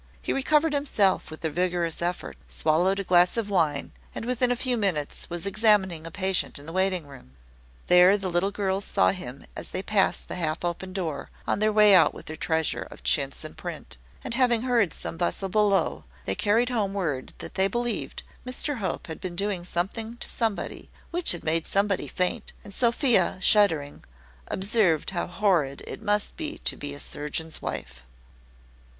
He recovered himself with a vigorous effort, swallowed a glass of wine, and within a few minutes was examining a patient in the waiting room. There the little girls saw him as they passed the half open door, on their way out with their treasure of chintz and print; and having heard some bustle below, they carried home word that they believed Mr Hope had been doing something to somebody which had made somebody faint; and Sophia, shuddering, observed how horrid it must be to be a surgeon's wife.